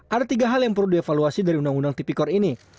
ada tiga hal yang perlu dievaluasi dari undang undang tipikor ini